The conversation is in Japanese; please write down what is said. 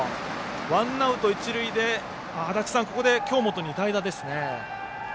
ワンアウト、一塁でここで京本に代打ですね。